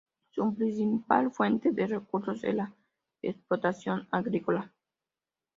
Su principal fuente de recursos es la explotación agrícola.